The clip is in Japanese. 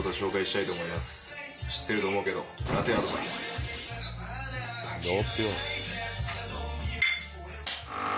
知ってると思うけど。